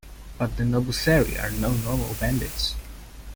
But the Nobuseri are no normal bandits.